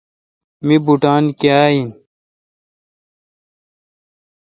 می بوٹان کاں این۔